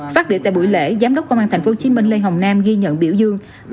phát biểu tại buổi lễ giám đốc công an tp hcm lê hồng nam ghi nhận biểu dương